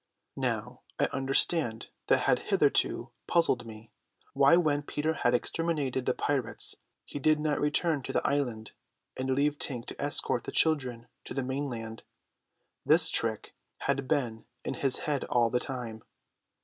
Now I understand what had hitherto puzzled me, why when Peter had exterminated the pirates he did not return to the island and leave Tink to escort the children to the mainland. This trick had been in his head all the time.